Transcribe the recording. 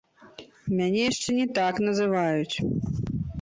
Мяне яшчэ не так называюць!